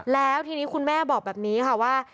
แล้วทีนี้คุณแม่บอกแบบนี้ค่ะว่า